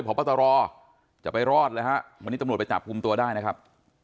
พบตรจะไปรอดเลยฮะวันนี้ตำรวจไปจับกลุ่มตัวได้นะครับ